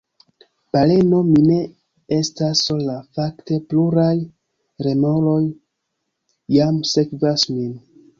Baleno: "Mi ne estas sola. Fakte, pluraj remoroj jam sekvas min."